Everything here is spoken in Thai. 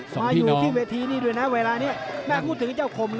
สองพี่น้อง